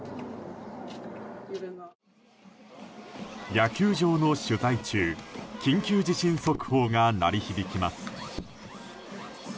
野球場の取材中緊急地震速報が鳴り響きます。